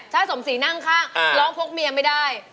ถ้าสมศรีนั่งข้างร้องพกเมียไม่ได้